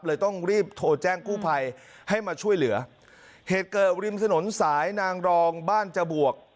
ต้องรีบโทรแจ้งกู้ภัยให้มาช่วยเหลือเหตุเกิดริมถนนสายนางรองบ้านจบวก